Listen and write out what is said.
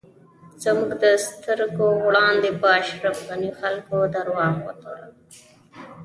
زموږ د سترږو وړاندی په اشرف غنی خلکو درواغ وتړل